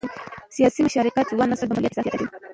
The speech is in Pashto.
سیاسي مشارکت د ځوان نسل د مسؤلیت احساس زیاتوي